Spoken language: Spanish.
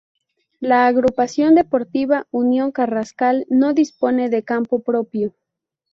La Agrupación Deportiva Unión Carrascal no dispone de campo propio.